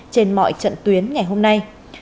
trên mọi trận tuyến ngày hôm nay